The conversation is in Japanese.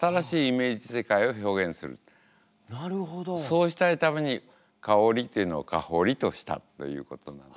そうしたいために「かおり」っていうのを「かほり」としたということなんですね。